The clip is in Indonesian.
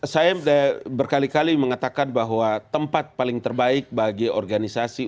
saya berkali kali mengatakan bahwa tempat paling terbaik bagi organisasi